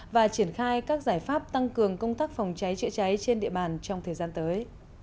và triển khai các giải pháp tăng cường công tác phòng cháy chữa cháy trên địa bàn trong thời gian tới